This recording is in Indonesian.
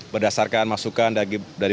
berdasarkan masukan dari